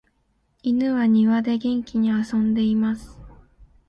犬は庭で元気に遊んでいます。